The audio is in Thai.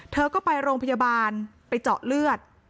เธอก็ไปโรงพยาบาลไปเจาะเลือด